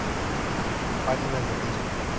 Páginas de Facebook.